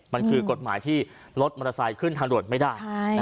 มันคือกฎหมายที่รถมอเตอร์ไซค์ขึ้นทางด่วนไม่ได้